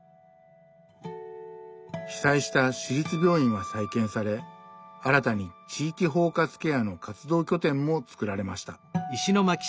被災した市立病院は再建され新たに「地域包括ケア」の活動拠点も作られました。